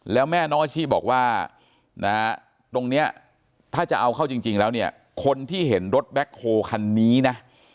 แล้วแม่น้องอาชีพบอกว่าตรงนี้ถ้าจะเอาเข้าจริงแล้วเนี่ยคนที่เห็นรถแบ็คโฮคันนี้นะ